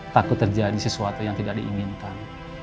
takut terjadi sesuatu yang tidak diinginkan